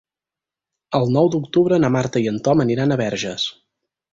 El nou d'octubre na Marta i en Tom aniran a Verges.